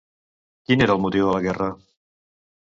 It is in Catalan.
Quin era el motiu de la guerra?